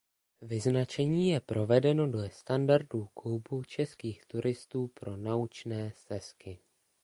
Vyznačení je provedeno dle standardů Klubu českých turistů pro naučné stezky.